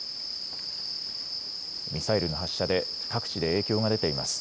ミサイルの発射で各地で影響が出ています。